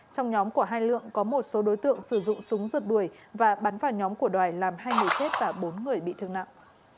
trong nhóm của hai lượng có một số đối tượng sử dụng súng rượt đuổi và bắn vào nhóm của đoài làm hai người chết và bốn người bị thương nặng